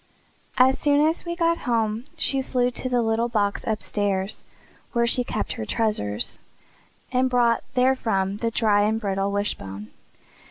As soon as we got home she flew to the little box upstairs where she kept her treasures, and brought therefrom the dry and brittle wishbone.